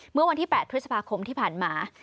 เมื่อวันที่๘พฤษภาคมที่ผ่านมา